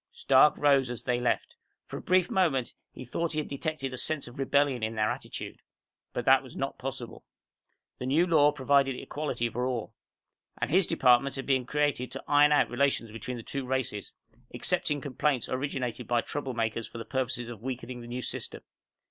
Stark rose as they left. For a brief moment, he thought he had detected a sense of rebellion in their attitude. But that was not possible. The new law provided equality for all. And his department had been created to iron out relations between the two races excepting complaints originated by troublemakers for the purpose of weakening the New System.